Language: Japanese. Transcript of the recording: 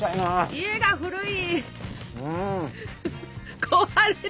家が古い！